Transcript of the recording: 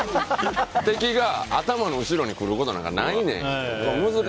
敵が頭の後ろに来ることなんかないねん。